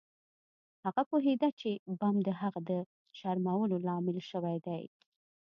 هغه پوهیده چې بم د هغه د شرمولو لامل شوی دی